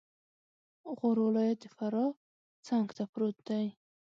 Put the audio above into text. غور ولایت د فراه څنګته پروت دی